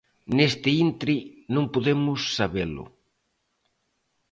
Neste intre non podemos sabelo.